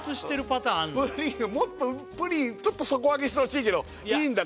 プリンがもっとプリンちょっと底上げしてほしいけどいいんだ